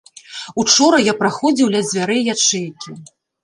Учора я праходзіў ля дзвярэй ячэйкі.